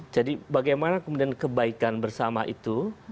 jadi bagaimana kebaikan bersama itu